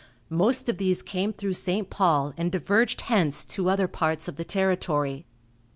Most of these came through St. Paul and diverged hence to other parts of the territory.